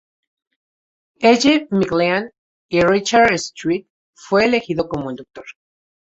Elle McLean; y Richard Schiff fue elegido como el Dr.